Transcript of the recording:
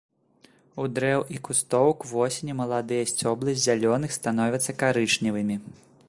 У дрэў і кустоў к восені маладыя сцёблы з зялёных становяцца карычневымі.